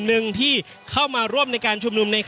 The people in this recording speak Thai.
อย่างที่บอกไปว่าเรายังยึดในเรื่องของข้อ